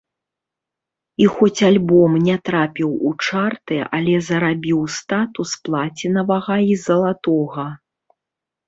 І хоць альбом не трапіў у чарты, але зарабіў статус плацінавага і залатога.